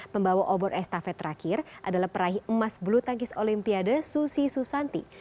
pembawa obor estafet terakhir adalah peraih emas bulu tangkis olimpiade susi susanti